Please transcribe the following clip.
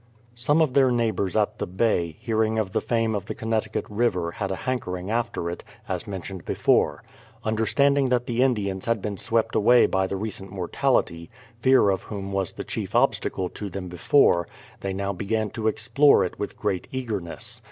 Some of their neighbours at the Bay, hearing of the fame of the Connecticut River had a hankering after it, as men tioned before. Understanding that the Indians had been swept away by the recent mortality, fear of whom was the chief obstacle to them before, they now began to explore it with great eagerness.